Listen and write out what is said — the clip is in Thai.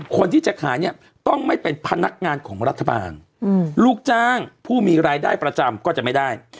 คนที่จะขายเนี่ยต้องไม่เป็นพนักงานของรัฐบาลลูกจ้างผู้มีรายได้ประจำก็จะไม่ได้